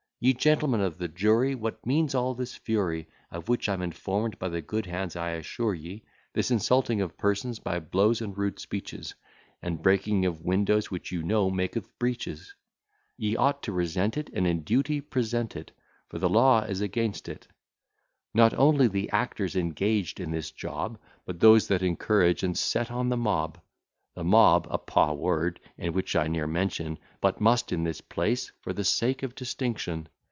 Ye gentlemen of the jury, What means all this fury, Of which I'm inform'd by good hands, I assure ye; This insulting of persons by blows and rude speeches, And breaking of windows, which, you know, maketh breaches? Ye ought to resent it, And in duty present it, For the law is against it; Not only the actors engaged in this job, But those that encourage and set on the mob: The mob, a paw word, and which I ne'er mention, But must in this place, for the sake of distinction.